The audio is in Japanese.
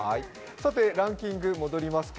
ランキング戻ります。